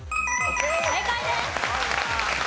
正解です。